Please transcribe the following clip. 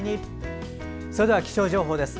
それでは気象情報です。